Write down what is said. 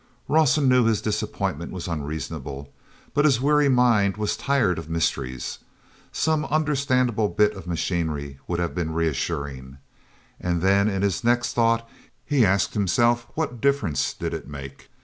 Rawson knew his disappointment was unreasonable, but his weary mind was tired of mysteries. Some understandable bit of machinery would have been reassuring. And then in his next thought he asked himself what difference did it make.